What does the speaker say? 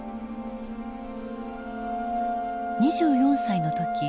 ２４歳の時